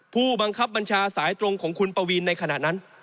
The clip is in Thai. ผู้บังคับบัญชาสายตรงของคุณปวีนในขณะนั้น